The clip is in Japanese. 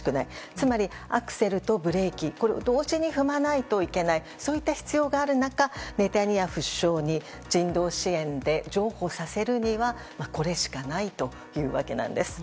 つまり、アクセルとブレーキを同時に踏まないといけないそういった必要がある中ネタニヤフ首相に人道支援で譲歩させるにはこれしかないというわけなんです。